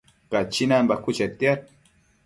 Cachinan bacuë chetiad